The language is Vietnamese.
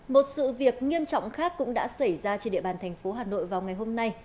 một sự việc nghiêm trọng khác cũng đã xảy ra trên địa bàn thành phố hà nội vào ngày hôm nay